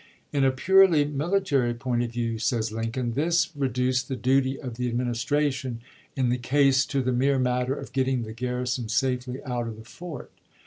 "In a purely military point of view," says Lincoln, " this reduced the duty of the Administration in the case to the mere matter of getting the garrison safely out of the fort.